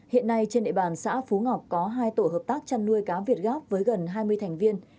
hiện nay trên địa bàn xã phú ngọc có hai tổ hợp tác chăn nuôi cá việt gáp với gần hai mươi thành viên